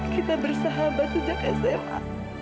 kita bersahabat sejak sma